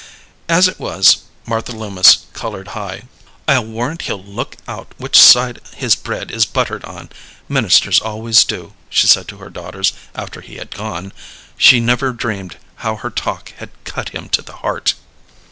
As it was, Martha Loomis colored high. "I'll warrant he'll look out which side his bread is buttered on; ministers always do," she said to her daughters after he had gone. She never dreamed how her talk had cut him to the heart.